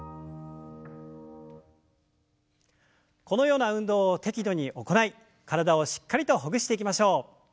このような運動を適度に行い体をしっかりとほぐしていきましょう。